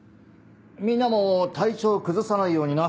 みんなも体調崩さないようにな。